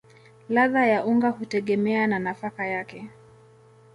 Ladha ya unga hutegemea na nafaka yake.